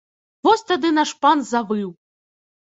Вось тады наш пан завыў!